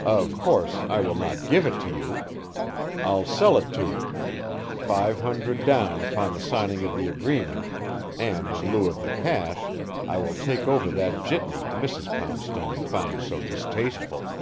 Of course, I will not give it to you. I'll sell it to you five hundred down upon the signing of the agreement, and in lieu of the cash, I will take over that jitney Mrs. Poundstone finds so distasteful.